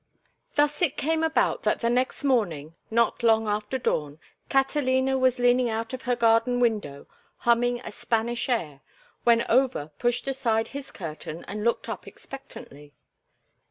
XXI Thus it came about that the next morning, not long after dawn, Catalina was leaning out of her garden window humming a Spanish air when Over pushed aside his curtain and looked up expectantly.